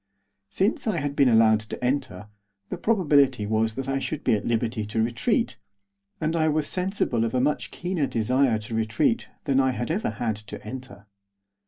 Since I had been allowed to enter, the probability was that I should be at liberty to retreat, and I was sensible of a much keener desire to retreat than I had ever had to enter.